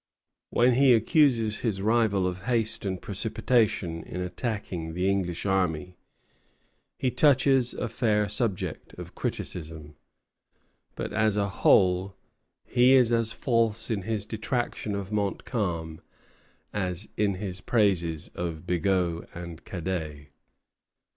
When he accuses his rival of haste and precipitation in attacking the English army, he touches a fair subject of criticism; but, as a whole, he is as false in his detraction of Montcalm as in his praises of Bigot and Cadet.